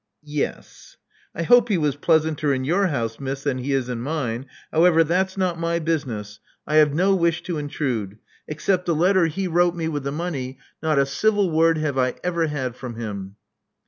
Yes." I hope he was pleasanter in your house, Miss, than he is in mine. However, that's not my business. I have no wish to intrude. Except the letter he wrote Love Among the Artists 91 me with the money, not a civil word have I ever had from him."